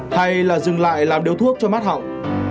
hay là dừng lại làm điếu thuốc cho mát họng